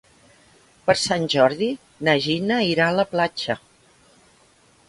Per Sant Jordi na Gina irà a la platja.